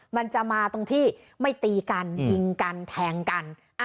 มันจะมาตรงที่ไม่ตีกันยิงกันแทงกัน